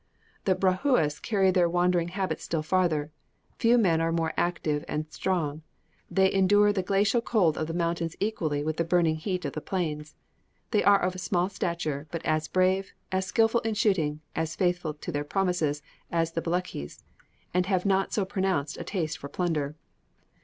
The Brahouis carry their wandering habits still farther. Few men are more active and strong; they endure the glacial cold of the mountains equally with the burning heat of the plains. They are of small stature, but as brave, as skilful in shooting, as faithful to their promises, as the Belutchis, and have not so pronounced a taste for plunder.